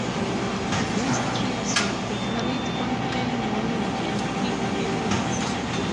These trips will operate on early morning and peak periods.